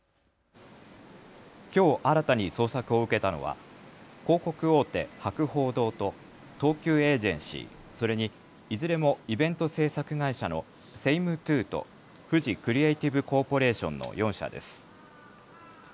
きょう新たに捜索を受けたのは広告大手、博報堂と東急エージェンシー、それにいずれもイベント制作会社のセイムトゥーとフジクリエイティブコーポレーションの４社です。